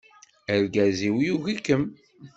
Argaz-iw yugi-kem.